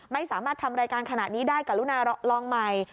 ไม่สามารถทำรายการขนาดนี้ได้กับลูนารองใหม่